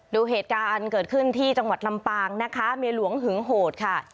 ดูเหตุการณ์เกิดขึ้นที่จังหวัดลำปางนะคะเมียหลวงหึงโหดค่ะ